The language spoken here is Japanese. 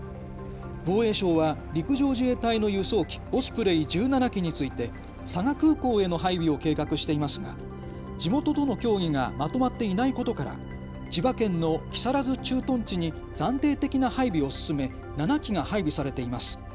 防衛省は陸上自衛隊の輸送機、オスプレイ１７機について佐賀空港への配備を計画していますが地元との協議がまとまっていないことから千葉県の木更津駐屯地に暫定的な配備を進め７機が配備されています。